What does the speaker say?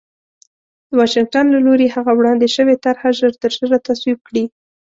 د واشنګټن له لوري هغه وړاندې شوې طرح ژرترژره تصویب کړي